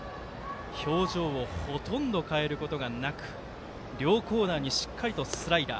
表情をほとんど変えることがなく、両コーナーにしっかりスライダー。